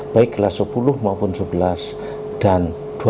baik kelas sepuluh maupun sebelas dan dua belas